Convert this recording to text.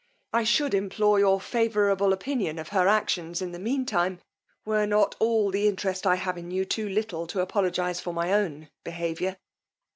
I should implore your favourable opinion of her actions in the mean time, were not all the interest I have in you too little to apologize for my own behaviour.